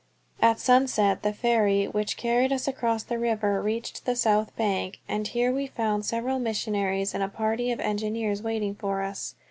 At sunset the ferry which carried us across the river reached the south bank, and here we found several missionaries and a party of engineers waiting for us.